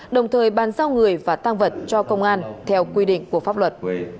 đồng thời bàn giao người và tăng vật cho công an theo quy định của pháp luật